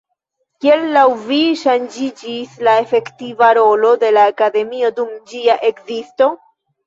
Kiel laŭ vi ŝanĝiĝis la efektiva rolo de la Akademio dum ĝia ekzisto?